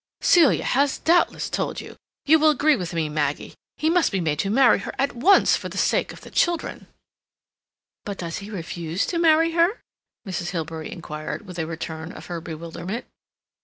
Celia has doubtless told you. You will agree with me, Maggie. He must be made to marry her at once for the sake of the children—" "But does he refuse to marry her?" Mrs. Hilbery inquired, with a return of her bewilderment.